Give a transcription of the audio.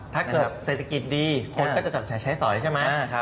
ถ้าเกิดเศรษฐกิจดีคนก็จะจับจ่ายใช้สอยใช่ไหม